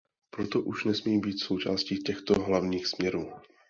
Proto už nesmí být součástí těchto hlavních směrů.